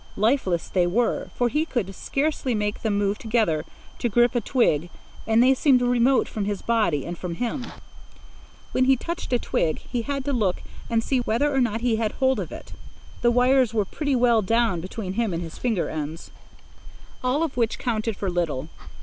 Lifeless they were, for he could scarcely make them move together to grip a twig, and they seemed remote from his body and from him. When he touched a twig, he had to look and see whether or not he had hold of it. The wires were pretty well down between him and his finger ends. All of which counted for little.